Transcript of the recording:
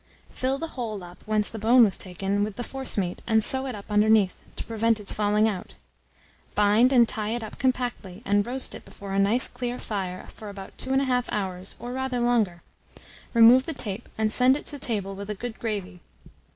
Fill the hole up whence the bone was taken, with the forcemeat, and sew it up underneath, to prevent its falling out. Bind and tie it up compactly, and roast it before a nice clear fire for about 2 1/2 hours or rather longer; remove the tape and send it to table with a good gravy.